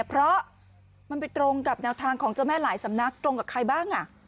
เพราะมันไปตรงกับแนวทางของเจ้าแม่หลายสำนักตรงกับใครบ้าง